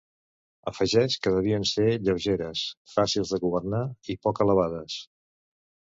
Afegeix que devien ser lleugeres, fàcils de governar i poc elevades.